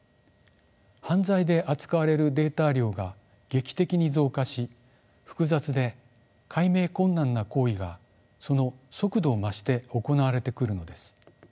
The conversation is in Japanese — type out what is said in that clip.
犯罪で扱われるデータ量が劇的に増加し複雑で解明困難な行為がその速度を増して行われてくるのです。